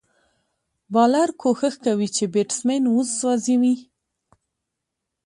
بالر کوښښ کوي، چي بېټسمېن وسوځوي.